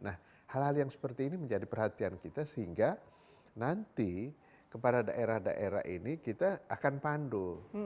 nah hal hal yang seperti ini menjadi perhatian kita sehingga nanti kepada daerah daerah ini kita akan pandu